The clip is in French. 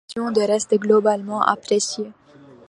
La version de ' reste globalement appréciée.